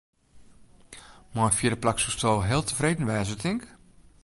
Mei in fjirde plak soesto heel tefreden wêze, tink?